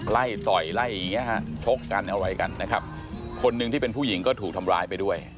ไล่ต่อยไล่อย่างเงี้ฮะชกกันอะไรกันนะครับคนหนึ่งที่เป็นผู้หญิงก็ถูกทำร้ายไปด้วย